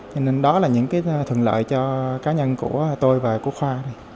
cho nên đó là những cái thuận lợi cho cá nhân của tôi và của khoa này